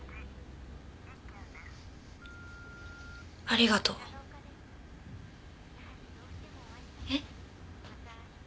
ありがとう。えっ？